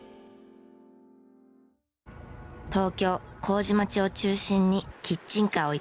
東京麹町を中心にキッチンカーを営む今関さん。